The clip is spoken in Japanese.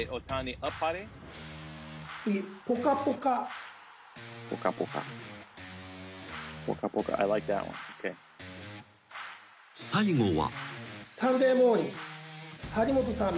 「次」「ポカポカ」［最後は］